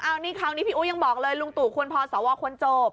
อันนี้คราวนี้พี่อู๋ยังบอกเลยลุงตู่ควรพอสวควรจบ